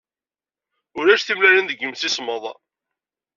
Ulac timellalin deg yimsismeḍ.